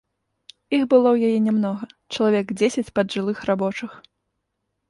Іх было ў яе нямнога, чалавек дзесяць паджылых рабочых.